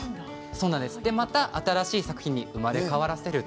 また新しい作品に生まれ変わらせると。